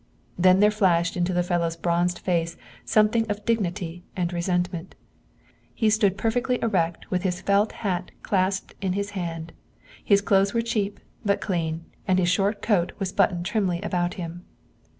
Then there flashed into the fellow's bronzed face something of dignity and resentment. He stood perfectly erect with his felt hat clasped in his hand. His clothes were cheap, but clean, and his short coat was buttoned trimly about him.